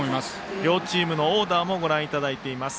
両チームのオーダーもご覧いただいています。